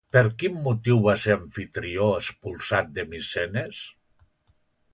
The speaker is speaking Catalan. Per quin motiu va ser Amfitrió expulsat de Micenes?